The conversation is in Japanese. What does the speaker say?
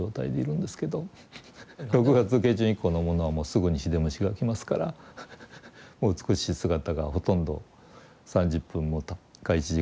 ６月下旬以降のものはもうすぐにシデムシが来ますからもう美しい姿がほとんど３０分か１時間しか保てないぐらいの。